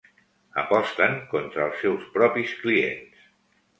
Aposten contra els seus propis clients.